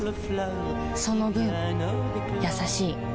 その分優しい